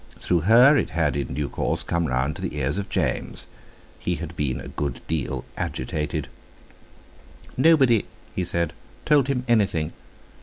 Through her it had in due course come round to the ears of James. He had been a good deal agitated. "Nobody," he said, "told him anything."